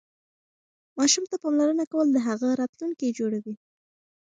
ماشوم ته پاملرنه کول د هغه راتلونکی جوړوي.